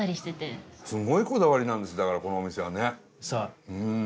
すごいこだわりなんですだからこのお店はね。そう。